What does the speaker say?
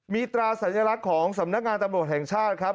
มีตราสัญลักษณ์ของสำนักงานตำรวจแห่งชาติครับ